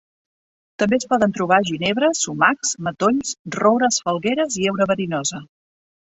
També es poden trobar ginebres, sumacs, matolls, roures, falgueres i heura verinosa.